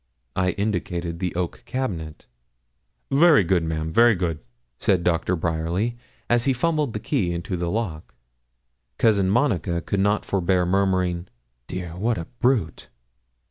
I indicated the oak cabinet. 'Very good, ma'am very good,' said Doctor Bryerly, as he fumbled the key into the lock. Cousin Monica could not forbear murmuring 'Dear! what a brute!'